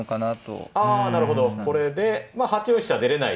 ああなるほどこれで８四飛車は出れない。